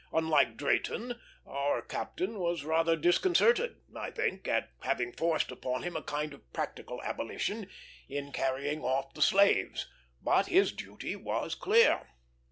Unlike Drayton, our captain was rather disconcerted, I think, at having forced upon him a kind of practical abolition, in carrying off slaves; but his duty was clear.